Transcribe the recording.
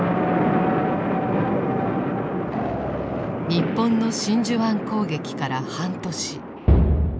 日本の真珠湾攻撃から半年。